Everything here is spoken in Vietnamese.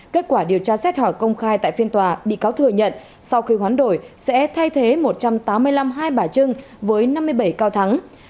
kết quả điều tra xét hỏi công khai tại phiên tòa bị cáo thừa nhận sau khi khoán đổi sẽ thay thế một trăm tám mươi năm hai bà trưng